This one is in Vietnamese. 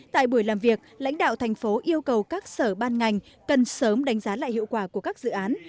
tại buổi làm việc lãnh đạo thành phố yêu cầu các sở ban ngành cần sớm đánh giá lại hiệu quả của các dự án